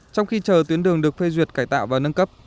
trong khi chờ tuyến đường được phê duyệt cải tạo và nâng cấp